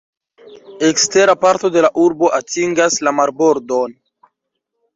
Ekstera parto de la urbo atingas la marbordon.